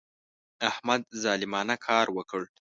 احمد ظالمانه کار وکړ.